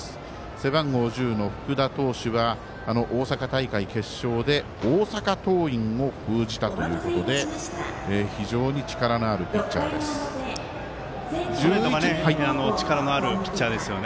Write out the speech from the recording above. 背番号１０の福田投手は大阪大会決勝で大阪桐蔭を封じたということで力のあるピッチャーですね。